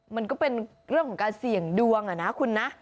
มันก็เป็นเรื่องของการเสี่ยงดวงอ่ะนะคุณนะ